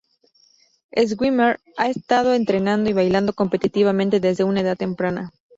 Schwimmer ha estado entrenando y bailando competitivamente desde una edad temprana.